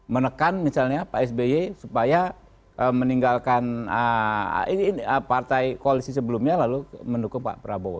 menekan misalnya pak sby supaya meninggalkan partai koalisi sebelumnya lalu mendukung pak prabowo